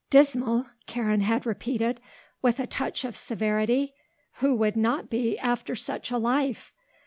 "Dismal?" Karen had repeated, with a touch of severity. "Who would not be after such a life?